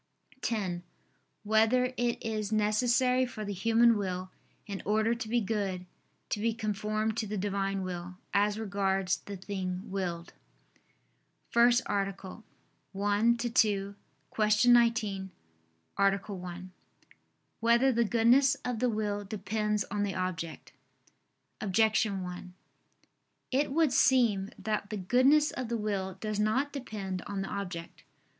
(10) Whether it is necessary for the human will, in order to be good, to be conformed to the Divine Will, as regards the thing willed? ________________________ FIRST ARTICLE [I II, Q. 19, Art. 1] Whether the Goodness of the Will Depends on the Object? Objection 1: It would seem that the goodness of the will does not depend on the object.